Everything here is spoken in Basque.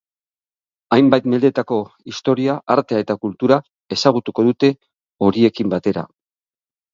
Hainbat mendetako historia, artea eta kultura ezagutuko dute horiekin batera.